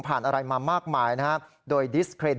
เพราะว่ามีทีมนี้ก็ตีความกันไปเยอะเลยนะครับ